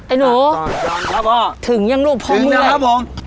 ไอ้หนูถึงยังรูปพร้อมด้วยถึงนะครับผม